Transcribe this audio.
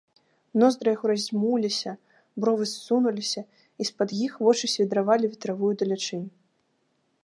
Ноздры яго раздзьмуліся, бровы ссунуліся, і з-пад іх вочы свідравалі ветравую далячынь.